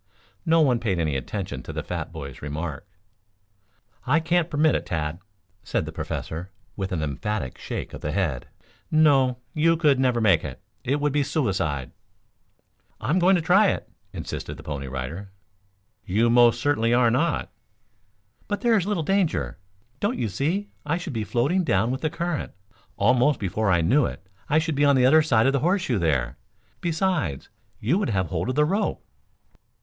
No one paid any attention to the fat boy's remark. "I can't permit it, Tad," said the Professor, with an emphatic shake of the head. "No, you could never make it. It would be suicide." "I'm going to try it," insisted the Pony Rider. "You most certainly are not." "But there is little danger. Don't you see I should be floating down with the current. Almost before I knew it I should be on the other side of the horseshoe there. Besides you would have hold of the rope."